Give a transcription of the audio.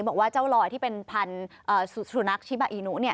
บอกว่าเจ้าลอยที่เป็นพันธุ์สุนัขชิบาอีนุ